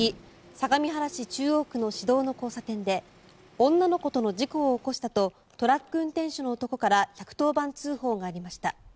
相模原市中央区の市道の交差点で女の子との事故を起こしたとトラック運転手の男から１１０番通報がありました。